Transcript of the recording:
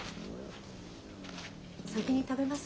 先に食べます？